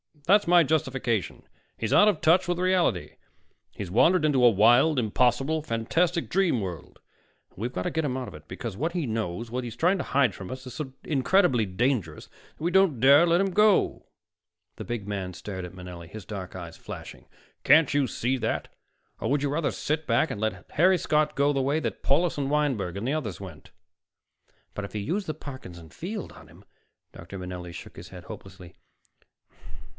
That's my justification. He's out of touch with reality. He's wandered into a wild, impossible, fantastic dream world. And we've got to get him out of it, because what he knows, what he's trying to hide from us, is so incredibly dangerous that we don't dare let him go." The big man stared at Manelli, his dark eyes flashing. "Can't you see that? Or would you rather sit back and let Harry Scott go the way that Paulus and Wineberg and the others went?" "But to use the Parkinson Field on him " Dr. Manelli shook his head hopelessly.